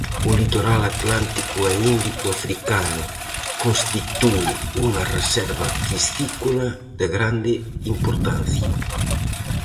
O litoral atlántico e índico africano constitúe unha reserva piscícola de grande importancia.